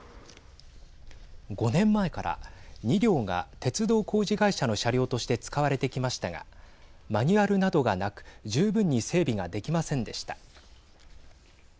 ５年前から２両が鉄道工事会社の車両として使われてきましたがマニュアルなどがなく十分に整備ができませんでした。